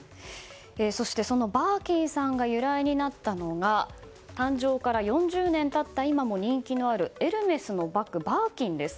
そしてバーキンさんが由来になったのが誕生から４０年経った今も人気のあるエルメスのバッグ、バーキンです。